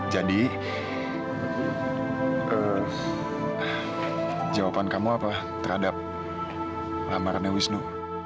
jadi jawaban kamu apa terhadap lamarnya wisnu